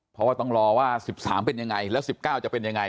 เพราะว่าต้องรอว่า๑๓เป็นยังไงแล้ว๑๙จะเป็นยังไง